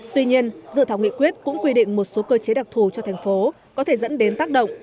tuy nhiên dự thảo nghị quyết cũng quy định một số cơ chế đặc thù cho thành phố có thể dẫn đến tác động